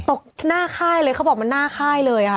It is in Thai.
หน้าค่ายเลยเขาบอกมันหน้าค่ายเลยค่ะ